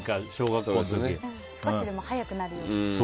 少しでも速くなるように。